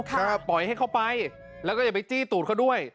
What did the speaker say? ถ้าปล่อยให้เขาไปแล้วก็อย่าไปจี้ตูดเขาด้วย